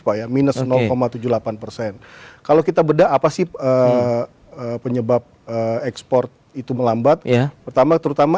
pak ya minus tujuh puluh delapan persen kalau kita bedah apa sih penyebab ekspor itu melambat pertama terutama